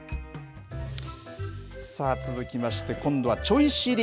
さあ、続きまして、今度はちょい知り！